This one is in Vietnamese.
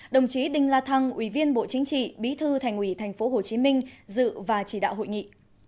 đồng chí đinh la thăng ubnd tp hcm bí thư thành quỷ tp hcm dự và chỉ đạo hội nghị